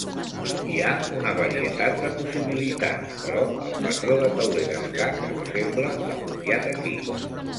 Hi ha una varietat de possibilitats, però el patró de tauler d'escacs no sembla apropiat aquí.